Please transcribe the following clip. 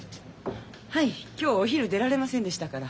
はい今日お昼出られませんでしたから。